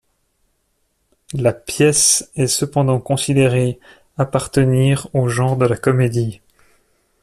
La pièce est cependant considérée appartenir au genre de la comédie.